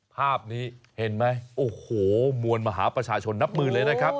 ภาพนี้เห็นไหมโอ้โหมวลมหาประชาชนนับหมื่นเลยนะครับ